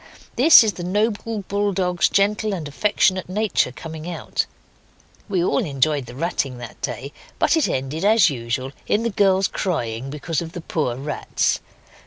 This is the noble bull dog's gentle and affectionate nature coming out. We all enjoyed the ratting that day, but it ended, as usual, in the girls crying because of the poor rats.